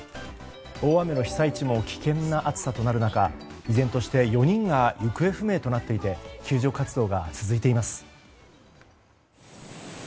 大雨の被災地も危険な暑さとなる中依然として４人が行方不明となっていて救助活動が続いています。